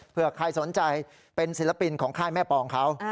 เพื่อใครสนใจเป็นศิลปินของค่ายแม่ปองเขา